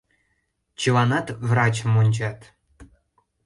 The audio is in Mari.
Чыланат врачым ончат.